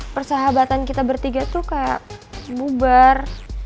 persahabatan kita bertiga tuh kayak bubar